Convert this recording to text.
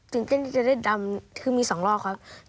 ตื่นเต้นที่จะได้ดำคือมีสองรอบครับ